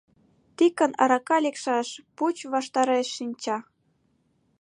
Тикын арака лекшаш пуч ваштареш шинча.